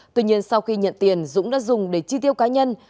tuy nhiên sau khi nhận tiền dũng đã dùng để chi tiêu cá nhân